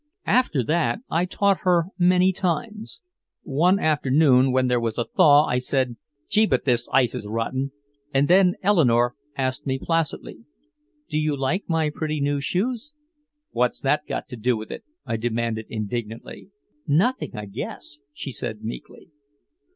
After that I taught her many times. One afternoon when there was a thaw, I said, "Gee, but this ice is rotten." And then Eleanore asked me placidly, "Do you like my pretty new shoes?" "What's that got to do with it?" I demanded indignantly. "Nothing, I guess," she said meekly.